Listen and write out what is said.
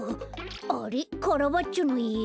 あれっカラバッチョのいえ？